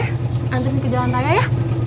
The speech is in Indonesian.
nanti ke jalan raya ya